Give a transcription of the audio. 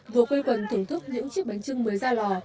vừa quây quần thưởng thức những chiếc bánh trưng mới ra lò